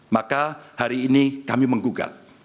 maka hari ini kami menggugat